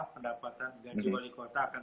pendapatan gaji wali kota akan